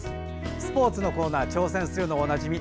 スポーツのコーナー挑戦するのはおなじみ